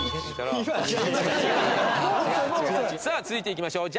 さあ続いていきましょう。